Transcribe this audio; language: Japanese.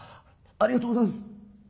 ありがとうございます。